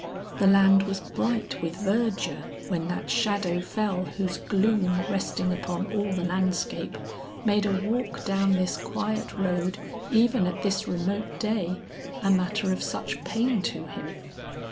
The land was bright with verdure when that shadow fell whose gloom resting upon all the landscape, made a walk down this quiet road even at this remote day, a matter of such pain to him.